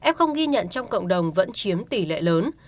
f ghi nhận trong cộng đồng vẫn chiếm tỷ lệ lớn